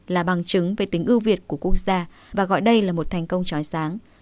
là bằng chứng về tính ưu việt của quốc gia và gọi đây là một thành công trói sáng